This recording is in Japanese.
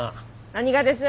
何がです？